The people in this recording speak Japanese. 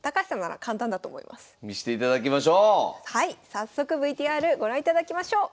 早速ＶＴＲご覧いただきましょう。